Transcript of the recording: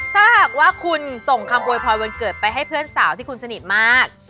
ถ้าหากว่าคุณส่งคำโวยพรวันเกิดไปให้เพื่อนสาวที่คุณสนิทมาก